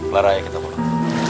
marah ya kita pulang